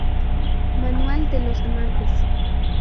Manual de los amantes".